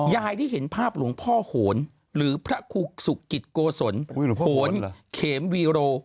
ยายได้เห็นภาพหลวงพ่อโหนหรือพระครูสุกกิจโกศลโหนเขมวีโร